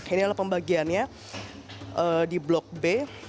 ini adalah pembagiannya di blok b